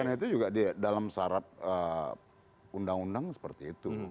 itu juga dalam syarat undang undang seperti itu